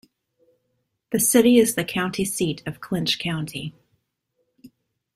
The city is the county seat of Clinch County.